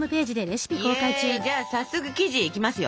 イエーイじゃあ早速生地いきますよ。